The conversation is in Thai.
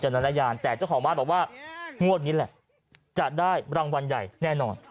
จารณญาณแต่เจ้าของบ้านบอกว่างวดนี้แหละจะได้รางวัลใหญ่แน่นอน